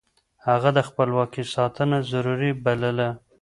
هغه د خپلواکۍ ساتنه ضروري بلله.